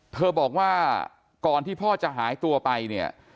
บอกว่าก่อนที่พ่อจะหายตัวไปเนี่ย